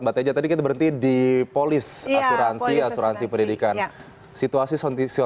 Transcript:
mbak teja tadi kita berhenti di polis asuransi asuransi pendidikan